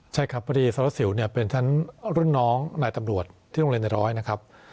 ใช่ครับพอดีสารวัสสิวเนี่ยเป็นทั้งรุ่นน้องนายตำรวจที่โรงเรียนในร้อยนะครับ